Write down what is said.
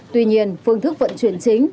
tuy nhiên phương thức vận chuyển chính